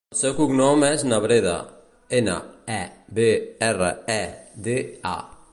El seu cognom és Nebreda: ena, e, be, erra, e, de, a.